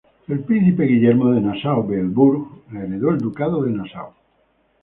El Príncipe Guillermo de Nassau-Weilburg heredó el Ducado de Nassau.